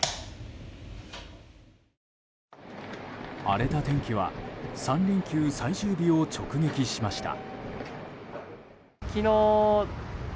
荒れた天気は３連休最終日を直撃しました。